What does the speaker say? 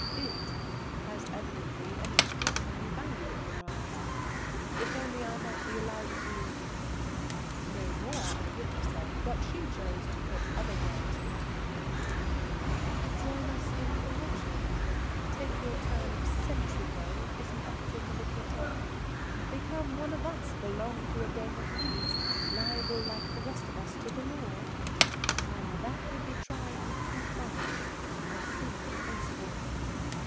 "'It' has evidently an extraordinary value in your eyes. If only I might be allowed to " know more, I would have said, but she chose to put other words into my mouth. "To join us in the watching? Take your turn of 'sentry go' isn't that your military term? Become one of us, belong to a gang of thieves, liable like the rest of us to the law? Ah, that would be trying you too far. I see your face fall."